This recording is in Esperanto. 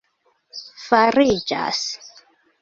fariĝas